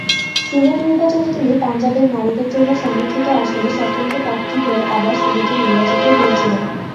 Senate নির্বাচনে তিনি পাঞ্জাবের নারীদের জন্য সংরক্ষিত আসনে স্বতন্ত্র প্রার্থী হয়ে আবার সিনেটে নির্বাচিত হয়েছিলেন।